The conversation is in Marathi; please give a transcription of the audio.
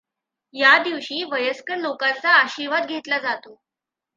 या दिवशी वयस्कर लोकांचा आशीर्वाद घेतला जातो.